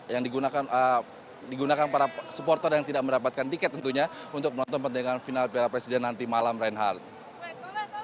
yang digunakan para supporter yang tidak mendapatkan tiket tentunya untuk menonton pertandingan final piala presiden nanti malam reinhardt